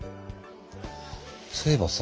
そういえばさ。